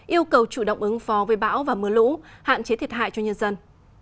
yêu cầu chủ động ứng phó với bão và mưa lũ hạn chế thiệt hại cho nhân dân